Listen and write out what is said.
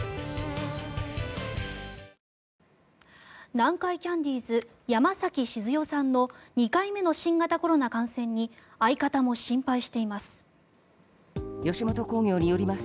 南海キャンディーズ山崎静代さんの２回目の新型コロナ感染に相方も心配しています。